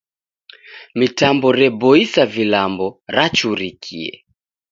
Mitambo reboisa vilambo rachurikie.